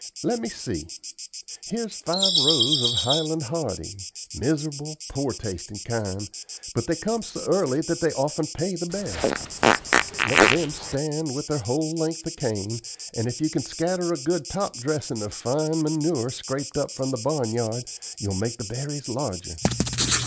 Let me see. Here's five rows of Highland Hardy; miserable poor tastin' kind; but they come so early that they often pay the best. Let them stand with their whole length of cane, and if you can scatter a good top dressin' of fine manure scraped up from the barnyard, you'll make the berries larger.